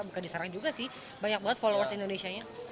bukan diserang juga sih banyak banget followers indonesia nya